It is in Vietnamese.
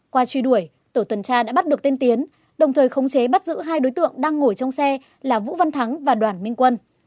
qua truy đuổi tổ tuần tra đã bắt được tên tiến đồng thời khống chế bắt giữ hai đối tượng đang ngồi trong xe là vũ văn thắng và đoàn minh quân